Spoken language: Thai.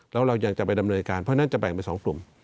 แล้วเรายังจะไปดำเนินการเพราะฉะนั้นจะแบ่งเป็น๒กลุ่ม